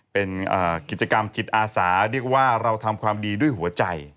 เป็นกิจกรรมจิตอาสาเรียกว่าเราทำความดีด้วยหัวใจ